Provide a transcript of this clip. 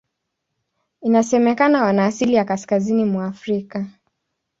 Inasemekana wana asili ya Kaskazini mwa Afrika.